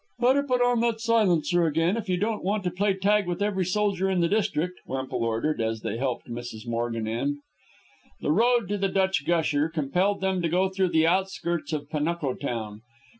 "Better put on that silencer again, if you don't want to play tag with every soldier in the district," Wemple ordered, as they helped Mrs. Morgan in. The road to the Dutch gusher compelled them to go through the outskirts of Panuco town.